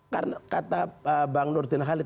karena kata bang nurdin khalid